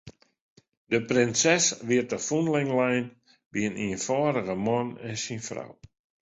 De prinses wie te fûnling lein by in ienfâldige man en syn frou.